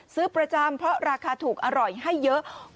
ซื้อประจำเพราะราคาถูกอร่อยให้เยอะ